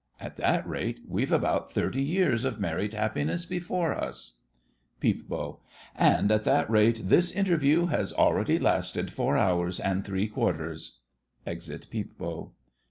At that rate we've about thirty years of married happiness before us! PEEP. And, at that rate, this interview has already lasted four hours and three quarters! [Exit Peep Bo.